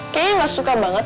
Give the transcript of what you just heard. kayaknya gak suka banget